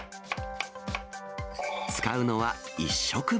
使うのは１食分。